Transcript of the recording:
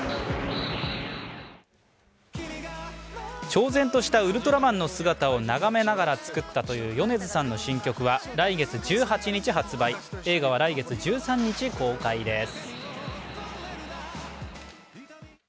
超然としたウルトラマンの姿を眺めながら作ったという米津さんの新曲は来月１８日発売、映画は来月１３日公開です。